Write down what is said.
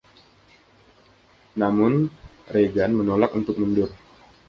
Namun, Reagan menolak untuk mundur.